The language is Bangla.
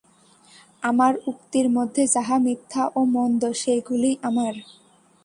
আমার উক্তির মধ্যে যাহা মিথ্যা ও মন্দ, সেইগুলিই আমার।